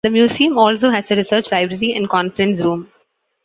The museum also has a research library and conference room.